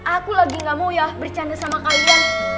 aku lagi gak mau ya bercanda sama kalian